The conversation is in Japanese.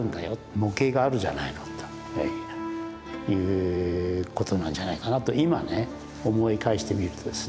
模型があるじゃないのということなんじゃないかなと今ね思い返してみるとですね。